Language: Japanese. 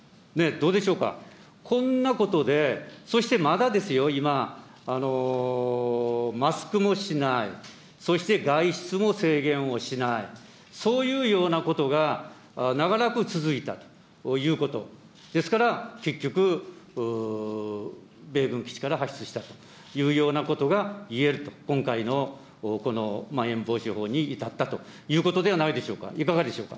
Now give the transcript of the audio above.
どうでしょうか、こんなことで、そして、まだですよ、今、マスクもしない、そして外出も制限をしない、そういうようなことが長らく続いたということ、ですから、結局、米軍基地から発出したというようなことがいえると、今回のまん延防止法に至ったということではないでしょうか。